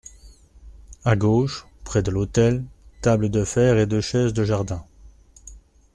A gauche, près de l’hôtel, table de fer et deux chaises de jardin.